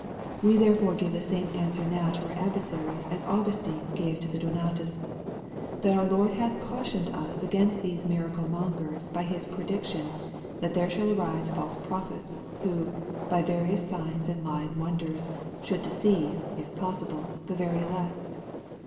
We therefore give the same answer now to our adversaries as Augustine gave to the Donatists, that our Lord hath cautioned us against these miracle mongers by his prediction, that there should arise false prophets, who, by various signs and lying wonders, "should deceive (if possible) the very elect."